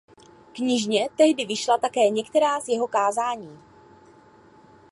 Knižně tehdy vyšla také některá z jeho kázání.